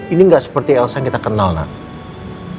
ini gak seperti elsa yang kita kenal nang